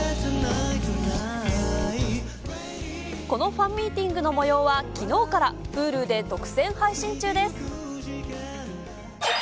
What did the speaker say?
このファンミーティングのもようはきのうから、Ｈｕｌｕで独占配信中です。